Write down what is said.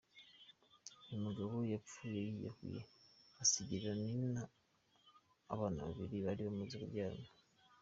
Uyu mugabo yapfuye yiyahuye, asigira Nina abana babiri bari bamaze kubyarana.